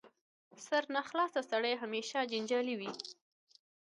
سرناخلاصه سړی همېشه جنجالي وي.